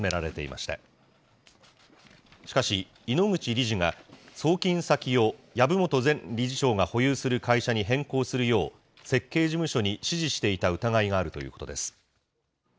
しかし、井ノ口理事が送金先を籔本前理事長が保有する会社に変更するよう、設計事務所に指示していた疑いがあるということです。